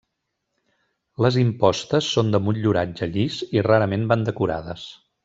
Les impostes són de motlluratge llis i rarament van decorades.